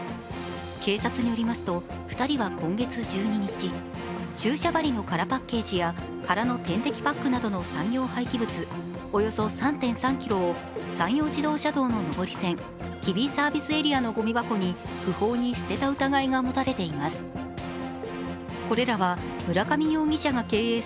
警察によりますと２人は今月１２日、注射針の空パッケージや空の点滴パックなどの産業廃棄物、およそ３．３ｋｇを山陽自動車道の上り線、吉備サービスエリアのゴミ箱に不法に捨てた疑いがもたれています。